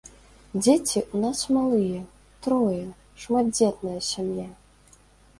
Дзеці ў нас малыя, трое, шматдзетная сям'я.